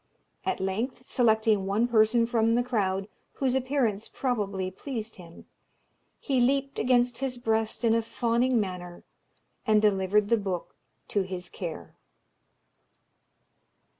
At length, selecting one person from the crowd, whose appearance probably pleased him, he leaped against his breast in a fawning manner, and delivered the book to his care.